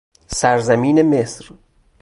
سرزمین مصر